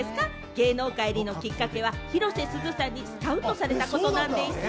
芸能界入りのきっかけは広瀬すずさんにスカウトされたことなんでぃす！